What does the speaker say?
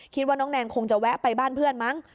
คิดว่าน้องแนนคงจะแวะไปบ้านเพื่อนมั้ง